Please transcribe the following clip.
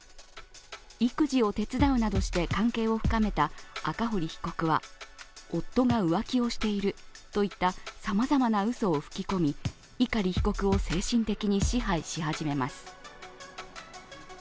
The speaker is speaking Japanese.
育児を手伝うなどして関係を深めた赤堀被告は夫が浮気をしているといったさまざまなうそを吹き込み碇被告を精神的に支配し始めます。